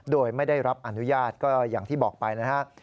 โดยไม่ได้รับอนุญาตก็อย่างที่บอกไปนะครับ